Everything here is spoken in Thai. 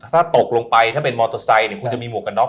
ถ้าตกลงไปถ้าเป็นมอเตอร์ไซค์คุณจะมีหมวกกันน็